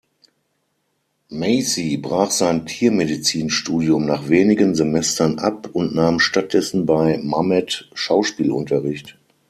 Macy brach sein Tiermedizin-Studium nach wenigen Semestern ab und nahm stattdessen bei Mamet Schauspielunterricht.